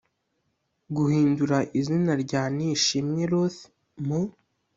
guhindura izina rya nishimwe ruth mu